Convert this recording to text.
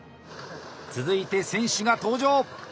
続いて選手が登場！